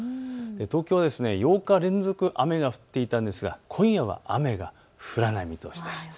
東京は８日連続雨が降っていたんですが今夜は雨が降らない見通しです。